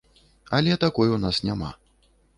Але такой у нас няма.